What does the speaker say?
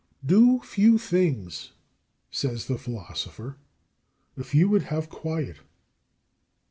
24. "Do few things," says the philosopher, "if you would have quiet."